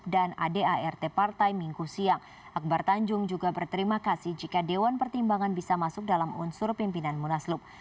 dan adart partai minggu siang akbar tanjung juga berterima kasih jika dewan pertimbangan bisa masuk dalam unsur pimpinan munaslub